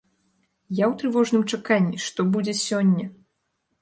Я ў трывожным чаканні, што будзе сёння?